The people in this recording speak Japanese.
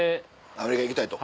アメリカ行きたいと。